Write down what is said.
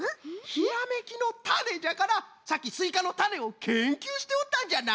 ひらめきのタネじゃからさっきスイカのたねをけんきゅうしておったんじゃな！